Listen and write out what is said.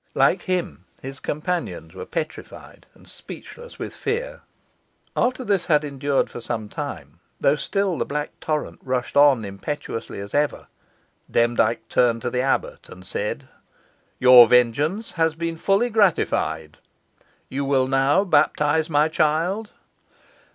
Like him, his companions were petrified and speechless with fear. After this had endured for some time, though still the black torrent rushed on impetuously as ever, Demdike turned to the abbot and said, "Your vengeance has been fully gratified. You will now baptise my child?"